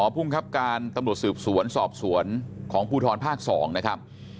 ภูมิครับการตำรวจสืบสวนสอบสวนของภูทรภาค๒นะครับ